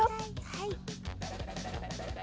はい。